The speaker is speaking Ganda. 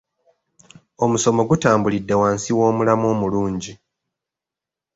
Omusomo gutambulidde wansi w'omulamwa omulungi.